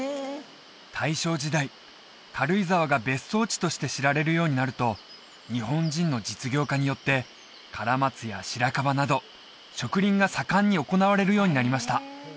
大正時代軽井沢が別荘地として知られるようになると日本人の実業家によってカラマツやシラカバなど植林が盛んに行われるようになりました